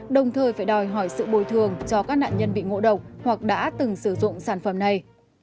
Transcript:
đồng thời phải đòi hỏi sự bồi thường cho các nạn nhân bị ngộ độc hoặc đã từng sử dụng sản phẩm này